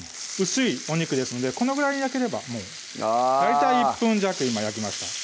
薄いお肉ですのでこのぐらい焼ければもう大体１分弱今焼きました